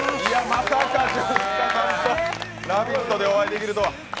まさかジュンスカさんと「ラヴィット！」でお会いできるとは。